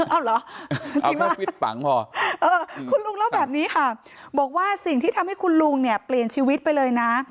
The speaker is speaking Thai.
เอาเหรอจริงป่ะคุณลุงเล่าแบบนี้ค่ะบอกว่าสิ่งที่ทำให้คุณลุงเปลี่ยนชีวิตไปเลยนะ